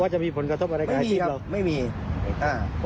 ว่าจะมีผลกระทบอะไรของอาชีพหรอไม่มีครับไม่มี